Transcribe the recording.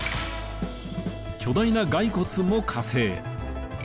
巨大な骸骨も加勢。